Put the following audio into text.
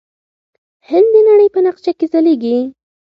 هند د نړۍ په نقشه کې ځلیږي.